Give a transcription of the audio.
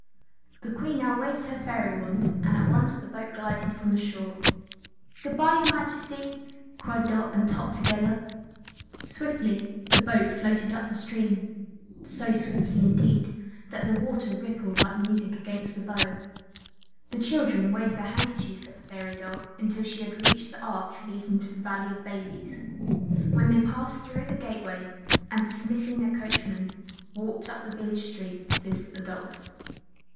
The Queen now waved her fairy wand and at once the boat glided from the shore. "Good bye, your Majesty!" cried Dot and Tot together. Swiftly the boat floated up the stream so swiftly, indeed, that the water rippled like music against the bow. The children waved their handkerchiefs at the fairy doll until she had reached the arch leading to the Valley of Babies, when they passed through the gateway and, dismissing their coachmen, walked up the village street to visit the dolls.